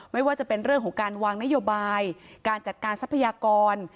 ไม่ว่าจะเป็นเรื่องของการวางนโยบายการจัดการทรัพยากร